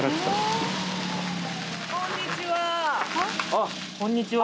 あっこんにちは。